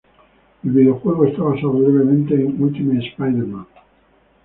El videojuego está basado levemente en "Ultimate Spider-Man".